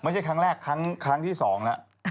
ไม่ใช่ครั้งแรกครั้งที่๒แล้ว